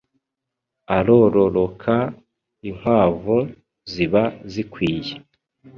arororoka. Inkwavu ziba zikwiye